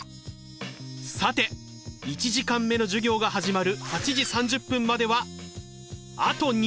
さて１時間目の授業が始まる８時３０分まではあと２０分！